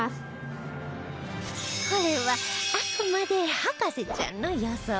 これはあくまで博士ちゃんの予想